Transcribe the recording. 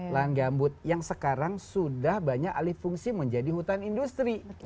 lahan gambut yang sekarang sudah banyak alih fungsi menjadi hutan industri